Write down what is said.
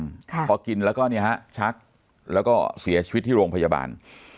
ค่ะพอกินแล้วก็เนี่ยฮะชักแล้วก็เสียชีวิตที่โรงพยาบาล